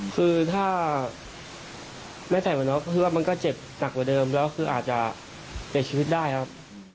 คือถ้าไม่ใส่หมวกคือว่ามันก็เจ็บหนักกว่าเดิมแล้วคืออาจจะเสียชีวิตได้ครับ